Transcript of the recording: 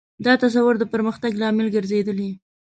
دا تصور د پرمختګ لامل ګرځېدلی.